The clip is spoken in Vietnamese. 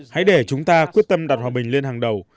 hãy để chúng ta quyết tâm đặt hòa bình lên hàng đầu